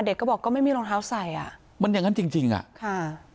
เด็กก็บอกก็ไม่มีรองเท้าใส่อ่ะมันอย่างงั้นจริงจริงอ่ะค่ะ